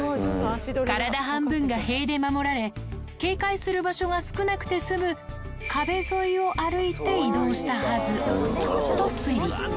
体半分が塀で守られ、警戒する場所が少なくて済む壁沿いを歩いて移動したはずと推理。